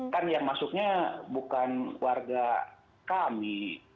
kan yang masuknya bukan warga kami